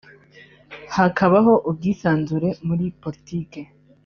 hakabaho ubwisanzure muri politiki